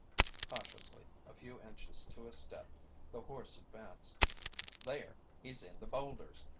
Cautiously, a few inches to a step, the horse advanced. "There! He's in the boulders!